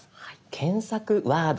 検索ワード